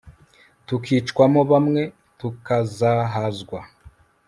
tukicwamo bamwe tukazahazwa